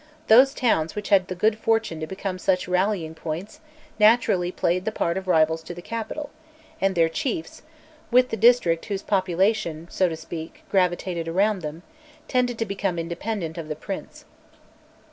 Those towns which had the good fortune to become such rallying points naturally played the part of rivals to the capital, and their chiefs, with the district whose population, so to speak, gravitated around them, tended to become independent of the prince.